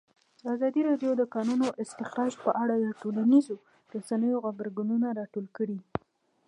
ازادي راډیو د د کانونو استخراج په اړه د ټولنیزو رسنیو غبرګونونه راټول کړي.